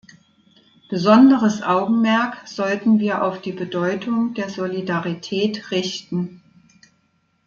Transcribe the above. Besonderes Augenmerk sollten wir auf die Bedeutung der Solidarität richten.